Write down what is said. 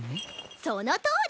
そのとおり！